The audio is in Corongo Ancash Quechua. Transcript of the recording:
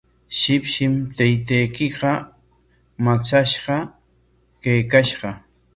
Shipshim taytaykiqa matrashqa kaykashqa.